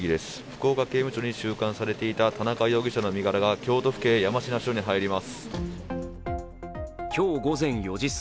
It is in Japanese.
福岡刑務所に収監されていた田中容疑者の身柄が京都府警山科署に入ります。